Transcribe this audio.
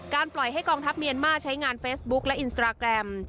ปล่อยให้กองทัพเมียนมาร์ใช้งานเฟซบุ๊คและอินสตราแกรม